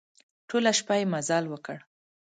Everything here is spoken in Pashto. ټوله شپه يې مزل وکړ.